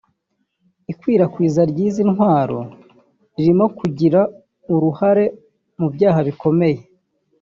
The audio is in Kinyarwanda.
Ikwirakwiza ry’izi ntwaro ririmo kugira uruhare mu byaha bikomeye